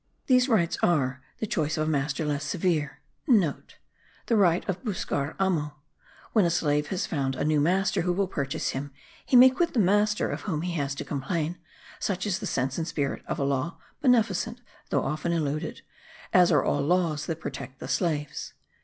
These rights are, the choice of a master less severe* (* The right of buscar amo. When a slave has found a new master who will purchase him, he may quit the master of whom he has to complain; such is the sense and spirit of a law, beneficent, though often eluded, as are all the laws that protect the slaves.